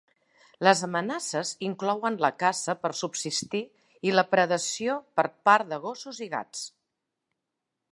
Les amenaces inclouen la caça per subsistir i la predació per part de gossos i gats.